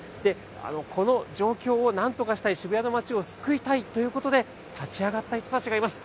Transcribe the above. この状況をなんとかしたい、渋谷の街を救いたいということで、立ち上がった人たちがいます。